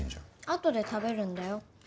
あとで食べるんだよ。